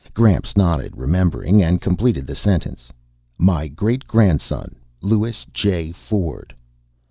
Gramps nodded, remembering, and completed the sentence "my great grandson, Louis J. Ford."